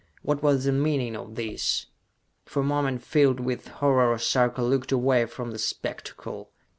What was the meaning of this? For a moment, filled with horror, Sarka looked away from the spectacle.